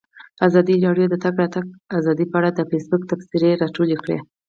ازادي راډیو د د تګ راتګ ازادي په اړه د فیسبوک تبصرې راټولې کړي.